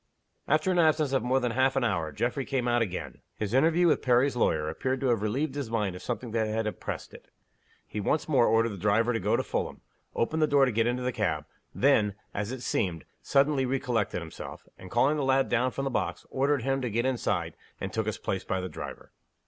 After an absence of more than half an hour Geoffrey came out again. His interview with Perry's lawyer appeared to have relieved his mind of something that had oppressed it. He once more ordered the driver to go to Fulham opened the door to get into the cab then, as it seemed, suddenly recollected himself and, calling the lad down from the box, ordered him to get inside, and took his place by the driver.